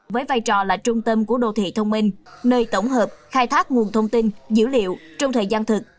với vai trò là trung tâm của đô thị thông minh nơi tổng hợp khai thác nguồn thông tin dữ liệu trong thời gian thực